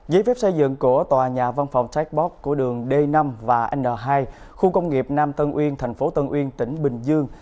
giấy phép xây dựng của tòa nhà văn phòng chatbot của đường d năm và n hai khu công nghiệp nam tân uyên tp tân uyên tỉnh bình dương